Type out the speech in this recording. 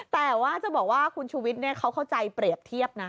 แต่ว่าจะบอกว่าคุณชูวิทย์เขาเข้าใจเปรียบเทียบนะ